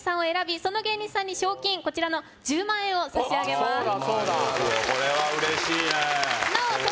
その芸人さんに賞金こちらの１０万円を差し上げますそうだそうだ